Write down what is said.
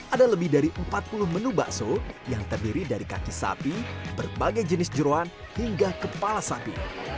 ada lebih dari empat puluh menu bakso yang terdiri dari kaki sapi berbagai jenis jerawan hingga kepala sapi